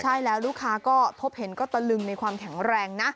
ใช่แล้วลูกค้าก็พบเห็นก็ตะลึงในความแข็งแรงนะ